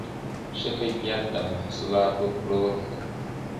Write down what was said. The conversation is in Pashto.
ښه کیفیت د محصولاتو پلور زیاتوي.